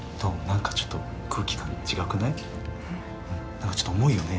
何かちょっと重いよね。